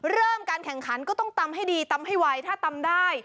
เริ่มการแข่งขันก็ต้องตำให้ดีตำให้ไวถ้าตำได้